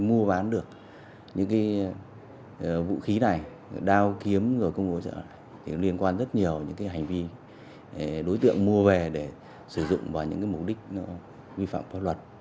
mua bán được những vũ khí này đao kiếm và công cụ hỗ trợ liên quan rất nhiều đến những hành vi đối tượng mua về để sử dụng vào những mục đích vi phạm pháp luật